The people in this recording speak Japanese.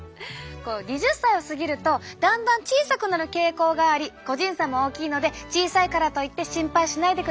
２０歳を過ぎるとだんだん小さくなる傾向があり個人差も大きいので小さいからといって心配しないでくださいね。